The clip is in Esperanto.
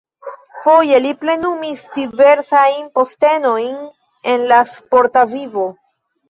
Foje li plenumis diversajn postenojn en la sporta vivo.